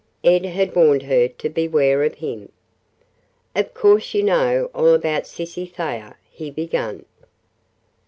Ed had warned her to beware of him. "Of course you know all about Cissy Thayer," he began.